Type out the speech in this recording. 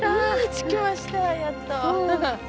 着きましたやっと。